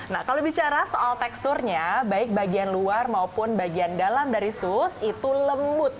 nah kalau bicara soal teksturnya baik bagian luar maupun bagian dalam dari sus itu lembut